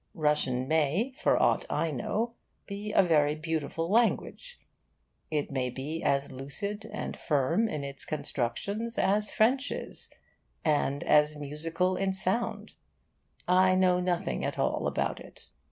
Russian may, for aught I know, be a very beautiful language; it may be as lucid and firm in its constructions as French is, and as musical in sound; I know nothing at all about it.